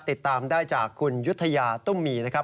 ติดตามได้จากคุณยุธยาตุ้มมีนะครับ